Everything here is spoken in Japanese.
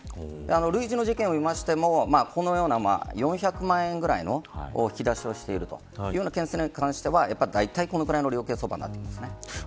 類似の事件を見ても４００万円くらいの引き出しをしているという件に関してはだいたい、これくらいの量刑になっています。